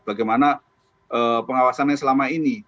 bagaimana pengawasannya selama ini